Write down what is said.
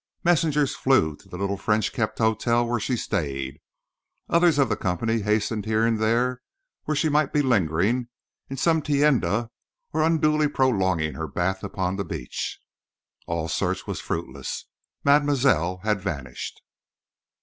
Messengers flew to the little French kept hotel where she stayed; others of the company hastened here or there where she might be lingering in some tienda or unduly prolonging her bath upon the beach. All search was fruitless. Mademoiselle had vanished.